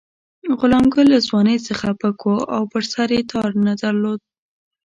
غلام ګل له ځوانۍ څخه پک وو او پر سر یې تار نه درلود.